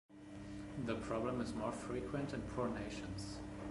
The problem is more frequent in poor nations.